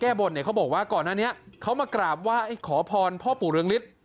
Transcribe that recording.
แก้บ่นเนี่ยเขาบอกว่าก่อนนั้นเนี่ยเขามากราบว่าขอพรพ่อปู่เรืองฤทธิ์